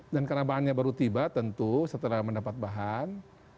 dan karena bahannya baru tiba tentu setelah mendapat bahan